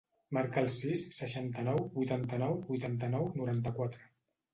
Marca el sis, seixanta-nou, vuitanta-nou, vuitanta-nou, noranta-quatre.